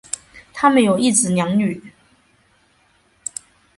他们有一子两女。